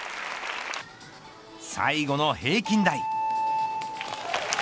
最後の平均台。